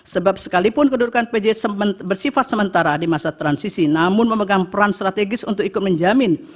sebab sekalipun kedudukan pj bersifat sementara di masa transisi namun memegang peran strategis untuk ikut menjamin